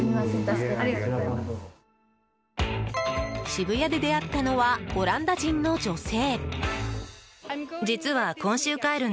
渋谷で出会ったのはオランダ人の女性。